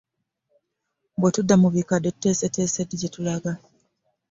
Bwe tudda mu bikadde tutuuse ddi gye tulaga?